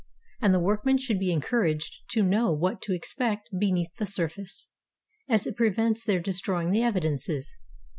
And the workmen should be encouraged to know what to expect beneath the surface, as it prevents their destroying the evidences.